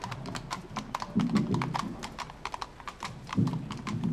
金马奖最佳造型设计每年由财团法人中华民国电影事业发展基金会颁发。